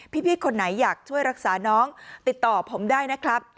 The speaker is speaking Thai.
พี่คนไหนอยากช่วยรักษาน้องติดต่อผมได้นะครับ